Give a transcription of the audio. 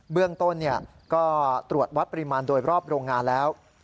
เบื้องต้นก็ตรวจวัดปริมาณโดยรอบโรงงานแล้ว